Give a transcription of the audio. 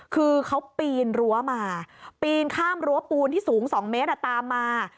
คือเขาปีนรั้วมาปีนข้ามรั้วปูนที่สูง๒เมตรตามมา